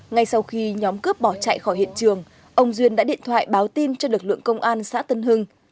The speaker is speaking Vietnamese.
ngay sau khi nhóm cướp bỏ chạy khỏi hiện trường ông duyên đã điện thoại báo tin cho lực lượng công an xã tân hưng